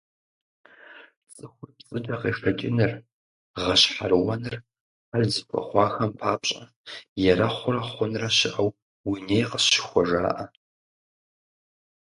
ЦӀыхур пцӀыкӀэ къешэкӀыныр, гъэщхьэрыуэныр хьэл зыхуэхъуахэм папщӏэ «Ерэхъурэ хъунрэ щыӀэу уи ней къысщыхуэ» жаӏэ.